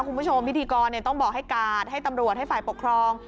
คุณผู้ชมพิธีกรต้องบอกให้กาดให้ตำรวจให้ฝ่ายปกครอง